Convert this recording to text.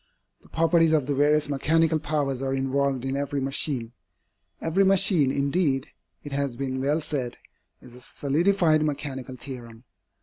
The properties of the various mechanical powers are involved in every machine. Every machine, indeed, it has been well said, is a solidified mechanical theorem.